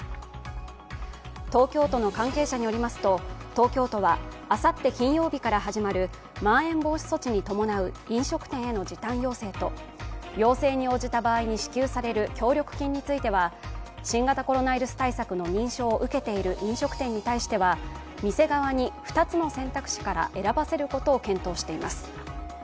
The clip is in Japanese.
東京都の関係者によりますと東京都はあさって金曜日から始まるまん延防止等重点措置に伴う飲食店への時短要請と要請に応じた場合に支給される協力金に対しては新型コロナウイルス対策の認証を受けている飲食店に対しては、店側に２つの選択肢から選ばせることを検討しています。